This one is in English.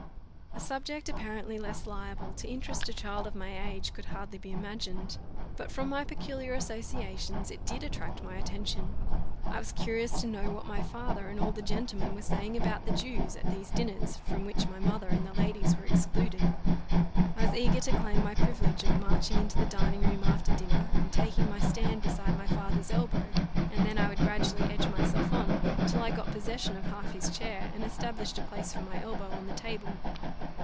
A subject apparently less liable to interest a child of my age could hardly be imagined; but from my peculiar associations it did attract my attention. I was curious to know what my father and all the gentlemen were saying about the Jews at these dinners, from which my mother and the ladies were excluded. I was eager to claim my privilege of marching into the dining room after dinner, and taking my stand beside my father's elbow; and then I would gradually edge myself on, till I got possession of half his chair, and established a place for my elbow on the table.